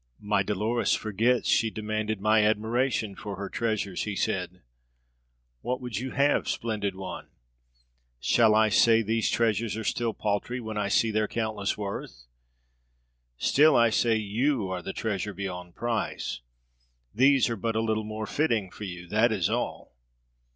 "My Dolores forgets she demanded my admiration for her treasures," he said. "What would you have, splendid one? Shall I say these treasures are still paltry, when I see their countless worth? Still I say you are the treasure beyond price. These are but a little more fitting for you. That is all.